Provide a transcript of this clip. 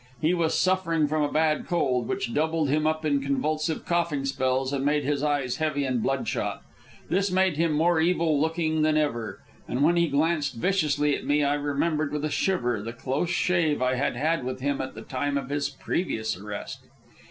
He was suffering from a bad cold, which doubled him up in convulsive coughing spells and made his eyes heavy and bloodshot. This made him more evil looking than ever, and when he glared viciously at me, I remembered with a shiver the close shave I had had with him at the time of his previous arrest.